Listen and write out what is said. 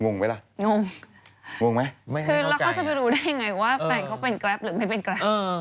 งงคือเราจะไปรู้ได้ยังไงว่าแฟนเขาเป็นแกรปหรือไม่เป็นแกรป